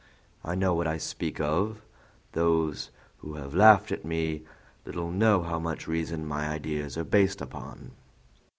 I know what I speak of; those who have laughed at me little know how much reason my ideas are based upon."